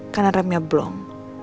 karena remnya blong